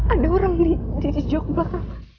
ada orang nih di jokbel